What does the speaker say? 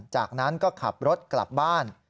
จากนั้นก็ขับรถกลับบ้าน